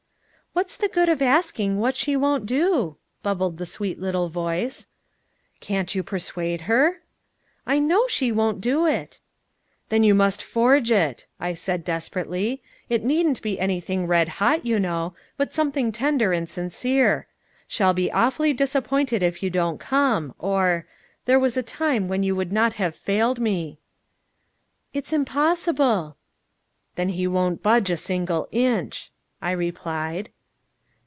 "What's the good of asking what she won't do?" bubbled the sweet little voice. "Can't you persuade her?" "I know she won't do it!" "Then you must forge it," I said desperately. "It needn't be anything red hot, you know. But something tender and sincere: 'Shall be awfully disappointed if you don't come,' or, 'There was a time when you would not have failed me!'" "It's impossible." "Then he won't budge a single inch!" I replied.